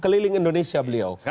keliling indonesia beliau